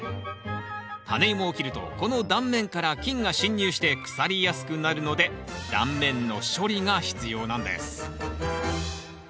タネイモを切るとこの断面から菌が侵入して腐りやすくなるので断面の処理が必要なんです。